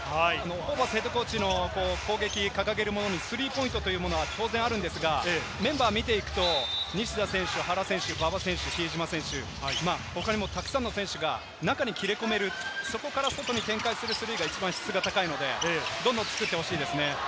ホーバスＨＣの攻撃、掲げるものにスリーポイントというものは当然あるんですが、メンバーを見ていくと西田選手、原選手、馬場選手、比江島選手、他にもたくさんの選手が中に切り込める、そこから外に展開するスリーが一番質が高いのでどんどん作ってほしいですね。